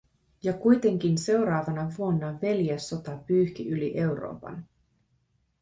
Ja kuitenkin seuraavana vuonna veljessota pyyhki yli Euroopan.